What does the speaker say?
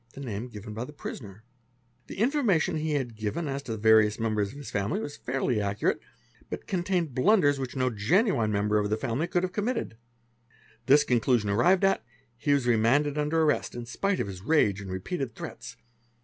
the name given by the prisoner. 'The information i e had given as to various members of the family was fairly accurate, but contained blunders which no genuine member of the family could ave committed. This conclusion arrived at, he was remanded under rrest, in spite of his rage and repeated threats.